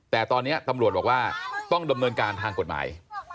แต่ตอนนี้ตำรวจบอกว่าต้องดำเนินการทางกฎหมาย